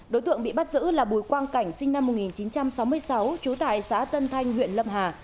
đối tượng bị bắt giữ là bùi quang cảnh sinh năm một nghìn chín trăm sáu mươi sáu trú tại xã tân thanh huyện lâm hà